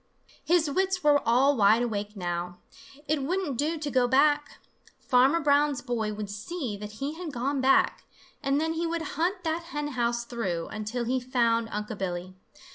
His wits were all wide awake now. It wouldn't do to go back. Farmer Brown's boy would see that he had gone back, and then he would hunt that hen house through until he found Unc' Billy.